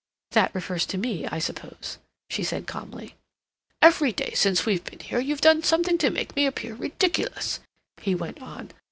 "That refers to me, I suppose," she said calmly. "Every day since we've been here you've done something to make me appear ridiculous," he went on.